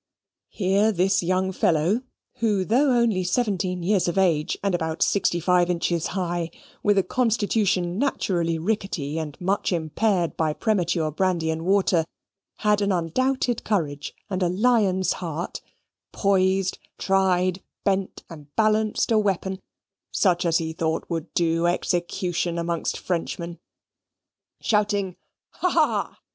Here this young fellow, who, though only seventeen years of age, and about sixty five inches high, with a constitution naturally rickety and much impaired by premature brandy and water, had an undoubted courage and a lion's heart, poised, tried, bent, and balanced a weapon such as he thought would do execution amongst Frenchmen. Shouting "Ha, ha!"